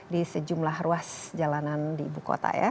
di sejumlah ruas jalanan di ibu kota ya